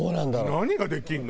何ができるの？